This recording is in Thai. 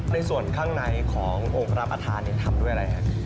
ในส่วนข้างในขององค์รับประทานทำด้วยอะไรครับ